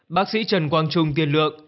bác sĩ trần quang trung tiên lược